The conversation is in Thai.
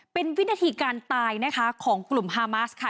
เป็นวินาทีการตายนะคะของกลุ่มฮามาสค่ะ